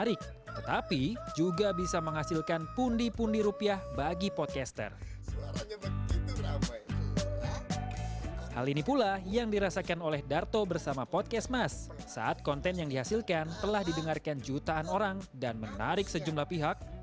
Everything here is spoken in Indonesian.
kita menduduki posisi pokoknya naik chartnya lumayan cepet